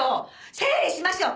整理しましょう。